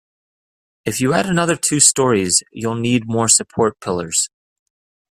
If you add another two storeys, you'll need more support pillars.